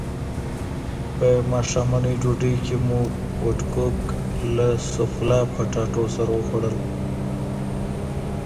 په ماښامنۍ ډوډۍ کې مو وډکوک له سوفله پټاټو سره وخوړل.